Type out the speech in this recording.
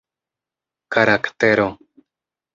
karaktero